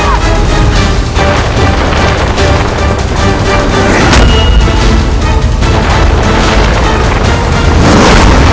aku jatuh thank selflessnya